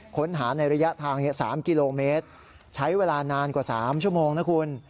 ค้นหาในระยะทาง๓กิโลเมตรใช้เวลานานกว่า๓ชั่วโมงนะคุณ